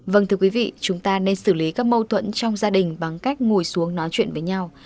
vâng thưa quý vị chúng ta nên xử lý các mâu thuẫn trong gia đình bằng cách ngồi xuống nói chuyện với nhau